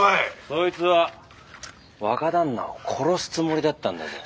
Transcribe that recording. そいつは若旦那を殺すつもりだったんだぜ？